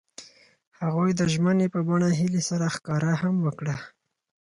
هغوی د ژمنې په بڼه هیلې سره ښکاره هم کړه.